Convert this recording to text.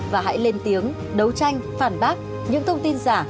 và hãy lên tiếng đấu tranh phản bác những thông tin giả